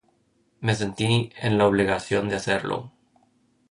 Me sentí en la obligación de hacerlo".